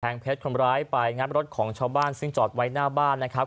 เพชรคนร้ายไปงัดรถของชาวบ้านซึ่งจอดไว้หน้าบ้านนะครับ